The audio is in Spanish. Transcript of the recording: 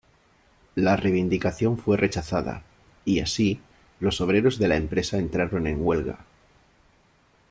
La reivindicación fue rechazada y, así, los obreros de la empresa entraron en huelga.